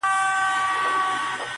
o چي زه او ته راضي، حاجت څه دئ د قاضي.